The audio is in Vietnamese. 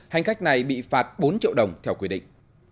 hành khách này bị phạt bốn triệu đồng theo quy định